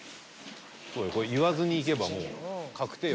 ［言わずにいけばもう確定よ］